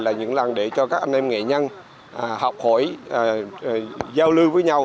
là những lần để cho các anh em nghệ nhân học hỏi giao lưu với nhau